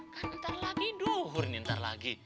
kan bentar lagi duhur nih ntar lagi